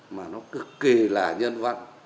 mà nó cực kỳ là nhân văn